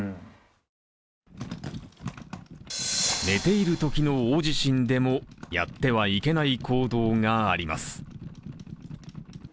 寝ているときの大地震でもやってはいけない行動があります。